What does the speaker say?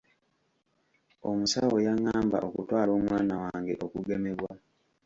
Omusawo yangamba okutwala omwana wange okugemebwa.